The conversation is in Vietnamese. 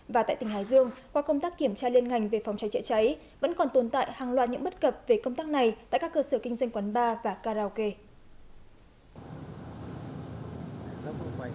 và tại tỉnh hải dương qua công tác kiểm tra liên ngành về phòng cháy chữa cháy vẫn còn tồn tại hàng loạt những bất cập về công tác này tại các cơ sở kinh doanh quán bar và karaoke